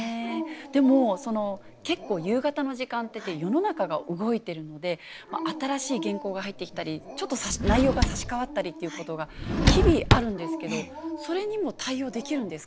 でも結構夕方の時間って世の中が動いてるので新しい原稿が入ってきたりちょっと内容が差し替わったりっていうことが日々あるんですけどそれにも対応できるんですか？